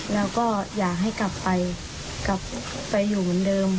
แล้วก็อยากให้กลับไปกลับไปอยู่เหมือนเดิม